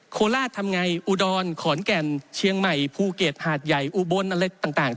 โคราชทำไงอุดรขอนแก่นเชียงใหม่ภูเก็ตหาดใหญ่อุบลอะไรต่าง